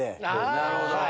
なるほどね。